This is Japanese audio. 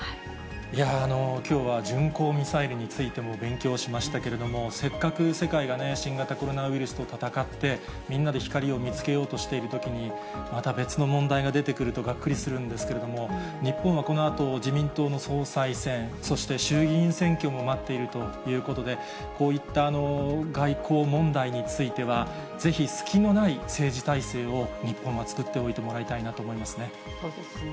きょうは巡航ミサイルについても勉強しましたけれども、せっかく世界が新型コロナウイルスと闘って、みんなで光を見つけようとしているときに、また別の問題が出てくるとがっくりするんですけれども、日本はこのあと、自民党の総裁選、そして衆議院選挙も待っているということで、こういった外交問題については、ぜひ隙のない政治体制を、日本は作っておいてもらいたいなと思いますね。